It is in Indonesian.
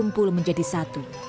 pul menjadi satu